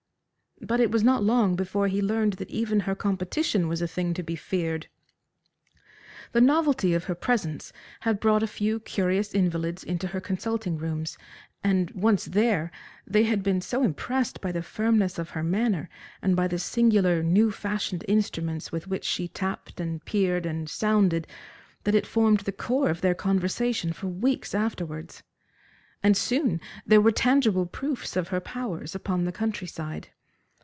But it was not long before he learned that even her competition was a thing to be feared. The novelty of her presence had brought a few curious invalids into her consulting rooms, and, once there, they had been so impressed by the firmness of her manner and by the singular, new fashioned instruments with which she tapped, and peered, and sounded, that it formed the core of their conversation for weeks afterwards. And soon there were tangible proofs of her powers upon the country side.